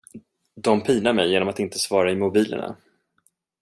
De pinar mig genom att inte svara i mobilerna.